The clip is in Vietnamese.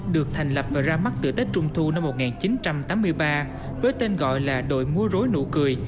được thành lập và ra mắt từ tết trung thu năm một nghìn chín trăm tám mươi ba với tên gọi là đội múa rối nụ cười